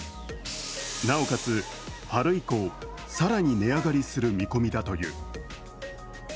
なおかつ、春以降、更に値上がりする見込みだという。